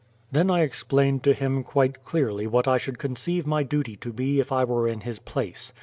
Then I explained to him quite clearly what I should conceive my duty to be if I were in his place.